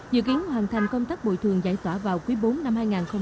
dự kiến hoàn thành công tác bồi thường giải tỏa vào quý bốn năm hai nghìn hai mươi